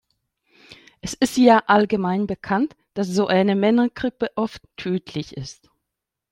Es ist ja allgemein bekannt, dass so eine Männergrippe oft tödlich ist.